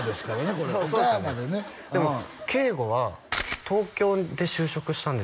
これ岡山でねでも圭悟は東京で就職したんですよ